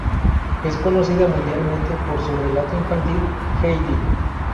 Es conocida mundialmente por su relato infantil "Heidi".